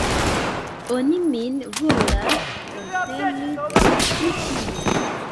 Oni min volas forpeli de ĉi tie.